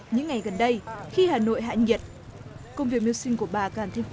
những ngày gần đây khi hà nội hạ nhiệt